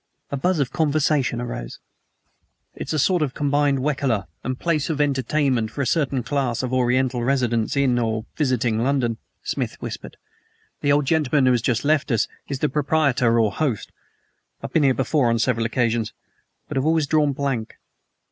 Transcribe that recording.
A buzz of conversation arose. "It is a sort of combined Wekaleh and place of entertainment for a certain class of Oriental residents in, or visiting, London," Smith whispered. "The old gentleman who has just left us is the proprietor or host. I have been here before on several occasions, but have always drawn blank."